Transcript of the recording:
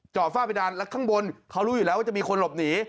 ฝ้าเพดานแล้วข้างบนเขารู้อยู่แล้วว่าจะมีคนหลบหนี